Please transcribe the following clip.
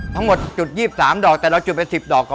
ทั้งหมดจุด๒๓ดอกแต่เราจุดไป๑๐ดอกก่อน